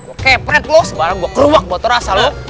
oke peret lo sembarang gue keruak bau terasa lo